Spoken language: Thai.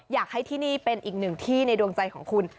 อยากให้ที่นี่เป็นอีกหนึ่งที่ในดวงใจของคุณ